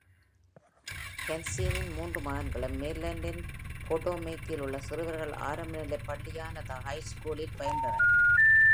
Hanssen-இன் மூன்று மகன்களும், Maryland-இன் போடோமேக்கில் உள்ள சிறுவர்கள் ஆரம்பநிலைப்பள்ளியான The Heights School-இல் பயின்றனர்.